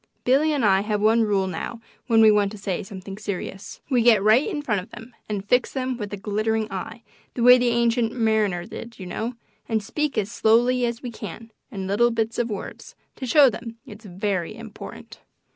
Billy and I have one rule now when we want to say something serious. We get right in front of them and fix them with a glittering eye, the way the Ancient Mariner did, you know, and speak as slowly as we can, in little bits of words, to show them it's very important.